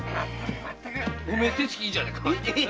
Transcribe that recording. おめえ手つきいいじゃねえか！